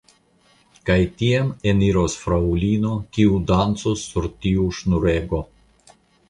Kaj tiam eniros fraŭlino, kiu dancos sur tiu ŝnurego.